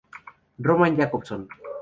Roman Jakobson